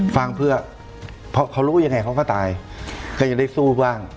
ฟังเพื่อเพราะเขารู้ยังไงเขาก็ตายก็ยังได้สู้บ้าง